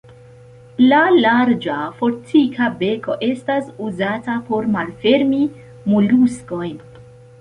La larĝa, fortika beko estas uzata por malfermi moluskojn.